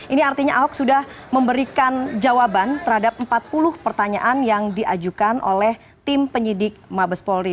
ini artinya ahok sudah memberikan jawaban terhadap empat puluh pertanyaan yang diajukan oleh tim penyidik mabes polri